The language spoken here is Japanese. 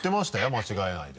間違えないで。